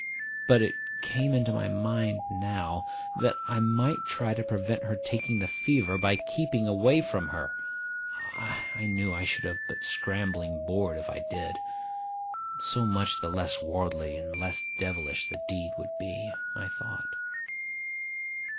But it came into my mind now, that I might try to prevent her taking the fever by keeping away from her. I knew I should have but scrambling board if I did; so much the less worldly and less devilish the deed would be, I thought.